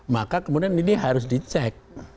maka kemudian ini harus dicek